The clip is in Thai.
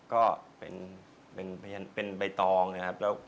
ก็เป็นใบตองนะครับ